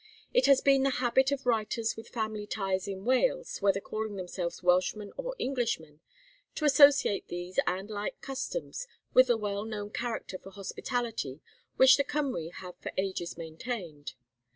It has been the habit of writers with family ties in Wales, whether calling themselves Welshmen or Englishmen, to associate these and like customs with the well known character for hospitality which the Cymry have for ages maintained.